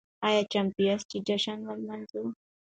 ايا چمتو ياست چې جشن ولمانځئ؟